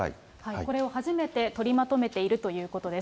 これを初めて取りまとめているということです。